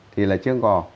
thì là chiêng gò